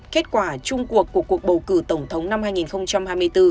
kết quả chung cuộc của cuộc bầu cử tổng thống năm hai nghìn hai mươi bốn